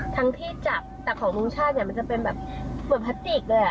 ทั้งที่จับแต่ของมุมชาติมันจะเป็นแบบ